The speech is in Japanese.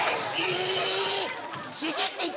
シュシュッていってる？